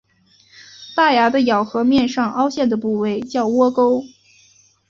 大牙的咬合面上凹陷的部位叫窝沟。